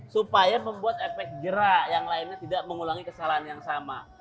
supaya membuat efek gerak yang lainnya tidak mengulangi kesalahan yang sama